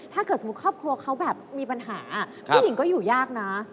ถ้าเกิดสมมุติครอบครัวเขาแบบมีปัญหาผู้หญิงก็อยู่ยากนะ